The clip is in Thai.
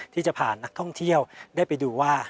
ที่จะพานักท่องเที่ยวได้ไปดูว่า